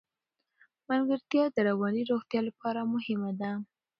ملګرتیا د رواني روغتیا لپاره مهمه ده.